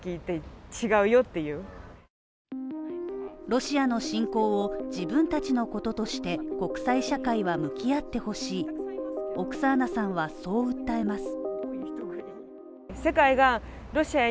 ロシアの侵攻を自分たちのこととして、国際社会は向き合ってほしいオクサーナさんはそう訴えます。